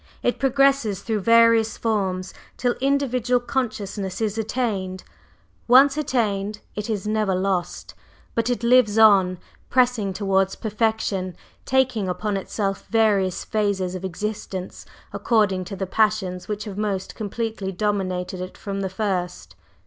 It progresses through various forms till individual consciousness is attained. Once attained, it is never lost, but it lives on, pressing towards perfection, taking upon itself various phases of existence according to the passions which have most completely dominated it from the first.